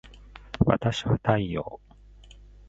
わたしは太陽